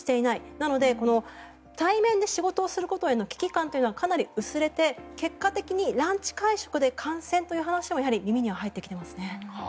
なので対面で仕事をすることへの危機感というのはかなり薄れて結果的にランチ会食で感染という話も耳には入ってきますね。